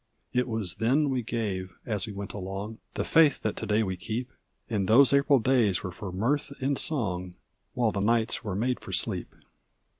It was then we gave, as we went along, The faith that to day we keep; And those April days were for mirth and song, While the nights were made for sleep.